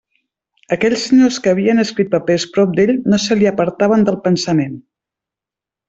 Aquells senyors que havien escrit papers prop d'ell no se li apartaven del pensament.